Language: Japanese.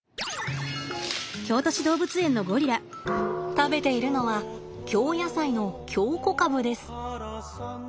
食べているのは京野菜の京こかぶです。